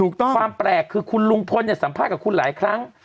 ความแปลกคือคุณลุงพลเนี่ยสัมภาษณ์กับคุณหลายครั้ง